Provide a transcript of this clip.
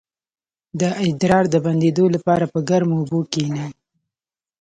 د ادرار د بندیدو لپاره په ګرمو اوبو کینئ